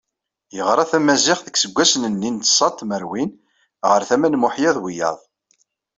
Yeɣra tamaziɣt, deg yiseggasen-nni n ṣa tmerwin, ɣer tama n Muḥya d wiyaḍ.